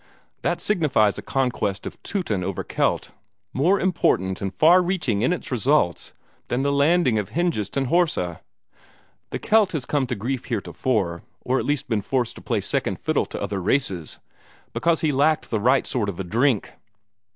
That signifies a conquest of Teuton over Kelt more important and far reaching in its results than the landing of Hengist and Horsa. The Kelt has come to grief heretofore or at least been forced to play second fiddle to other races because he lacked the right sort of a drink.